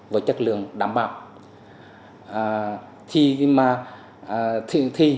với chất lượng đảm bảo